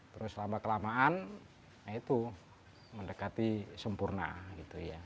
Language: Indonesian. terus lama kelamaan nah itu mendekati sempurna gitu ya